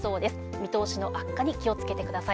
見通しの悪化に気をつけてください。